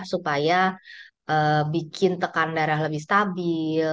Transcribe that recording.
supaya bikin tekan darah lebih stabil